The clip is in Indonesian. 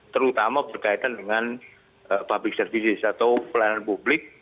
terutama berkaitan dengan public services atau pelayanan publik